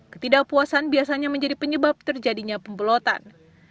ketidakpuasan biasanya menjadi penyebab terjadinya pembelotan